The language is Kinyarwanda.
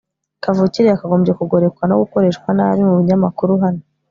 kavukire yakagombye kugorekwa no gukoreshwa nabi mubinyamakuru. hano